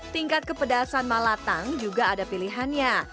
tingkat kepedasan malatang juga ada pilihannya